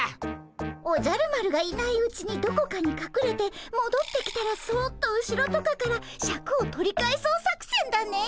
「おじゃる丸がいないうちにどこかにかくれてもどってきたらそっと後ろとかからシャクを取り返そう作戦」だね！